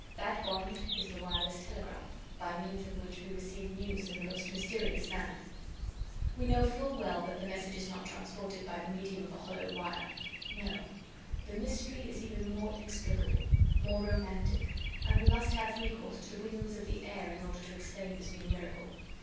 That bond is the wireless telegraph, by means of which we receive news in the most mysterious manner. We know full well that the message is not transported by the medium of a hollow wire. No, the mystery is even more inexplicable, more romantic, and we must have recourse to the wings of the air in order to explain this new miracle.